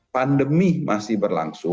pandemi masih berlangsung